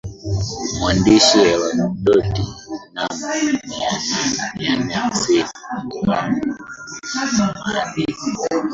mwandishi Herodoti mnamo mianne hamsini Ilhali maandiko